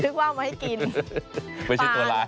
ว่าเอามาให้กินไม่ใช่ตัวร้าย